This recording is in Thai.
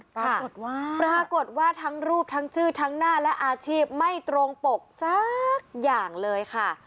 ปรากฏว่าปรากฏว่าทั้งรูปทั้งชื่อทั้งหน้าและอาชีพไม่ตรงปกสักอย่างเลยค่ะ